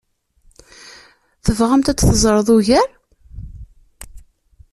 Tebɣamt ad teẓreḍ ugar?